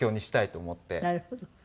なるほど。